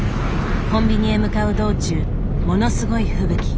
コンビニへ向かう道中ものすごい吹雪。